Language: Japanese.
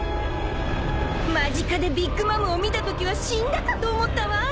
［間近でビッグ・マムを見たときは死んだかと思ったわ！］